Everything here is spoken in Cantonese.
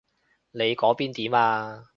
你嗰邊點啊？